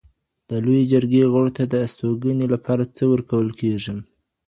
د لویې جرګي غړو ته د استوګني لپاره څه ورکول کیږي؟